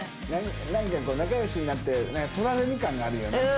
なんかこう仲良しになって取られる感があるよな。